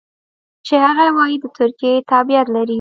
چې هغه وايي د ترکیې تابعیت لري.